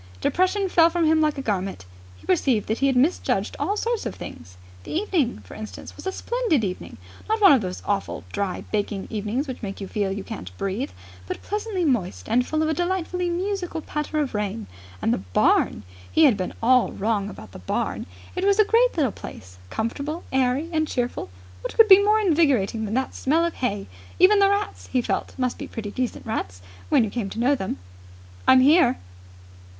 Depression fell from him like a garment. He perceived that he had misjudged all sorts of things. The evening, for instance, was a splendid evening not one of those awful dry, baking evenings which make you feel you can't breathe, but pleasantly moist and full of a delightfully musical patter of rain. And the barn! He had been all wrong about the barn. It was a great little place, comfortable, airy, and cheerful. What could be more invigorating than that smell of hay? Even the rats, he felt, must be pretty decent rats, when you came to know them. "I'm here!"